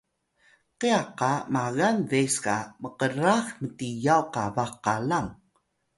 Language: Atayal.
kya qa magal bes ga mkrax mtiyaw qabax qalang